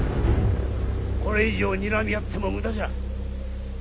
これ以上にらみ合っても無駄じゃ。